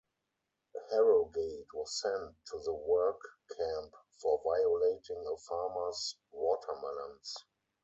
Harrogate was sent to the work camp for "violating" a farmer's watermelons.